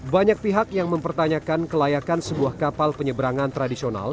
banyak pihak yang mempertanyakan kelayakan sebuah kapal penyeberangan tradisional